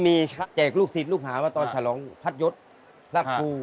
มีแจกลูกศิษย์ลูกหาว่าตอนฉลองพัดยศรักครู